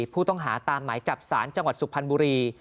ผู้ต้องหาตามหมายจับศาลจังหวัดสุพรรณบุรี